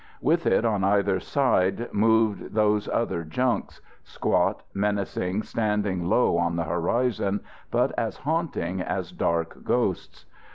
With it on either side, moved those other junks squat, menacing, standing low on the horizon, but as haunting as dark ghosts.